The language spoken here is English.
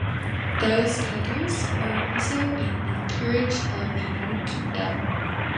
Those titles were also in the Peerage of the United Kingdom.